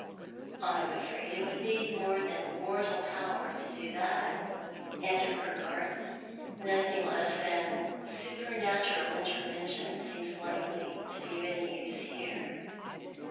"I'm afraid it would need more than mortal power to do that," answered Urquhart. "Nothing less than supernatural intervention seems likely to be of any use here.